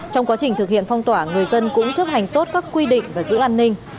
trong quá trình thực hiện phong tỏa người dân cũng chấp hành tốt các quy định và giữ an ninh